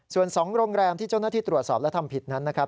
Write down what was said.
ส่วน๒โรงแรมที่เจ้าหน้าที่ตรวจสอบและทำผิดนั้นนะครับ